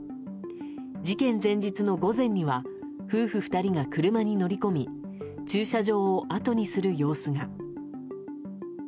事件前日の午前には夫婦２人が車に乗り込み駐車場をあとにする様子が。